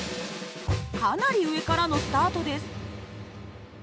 かなり上からのスタートです。